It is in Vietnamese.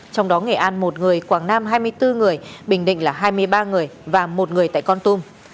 trong đó nghệ an một người quảng nam hai mươi bốn người bình định là hai mươi ba người và một người tại con tum